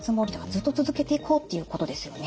ずっと続けていこうっていうことですよね。